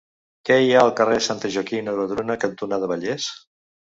Què hi ha al carrer Santa Joaquima de Vedruna cantonada Vallès?